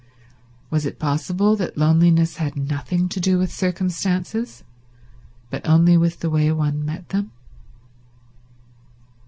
Was it possible that loneliness had nothing to do with circumstances, but only with the way one met them?